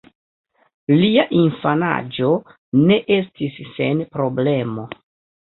Lia infanaĝo ne estis sen problemo.